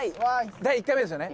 「第１回目ですよね？」